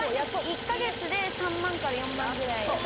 １か月で３万から４万ぐらい。